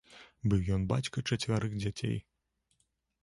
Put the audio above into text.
Быў ён бацька чацвярых дзяцей.